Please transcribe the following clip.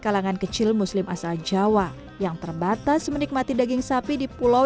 kalangan kecil muslim asal jawa yang terbatas menikmati daging sapi di pulau